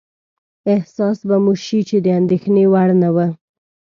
احساس به مو شي چې د اندېښنې وړ نه وه.